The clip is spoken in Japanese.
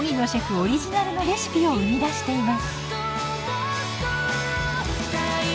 オリジナルのレシピを生み出しています。